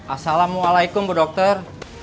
assalamualaikum bu dokter